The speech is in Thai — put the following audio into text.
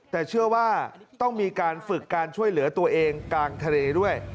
แต่เชื่อว่าต้องมีการฝึกการช่วยเหลือตัวเองกลางทะเลด้วย